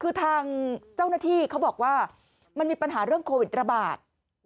คือทางเจ้าหน้าที่เขาบอกว่ามันมีปัญหาเรื่องโควิดระบาด